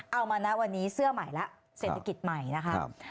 เอามานะวันนี้เสื้อใหม่แล้วเศรษฐกิจใหม่นะคะ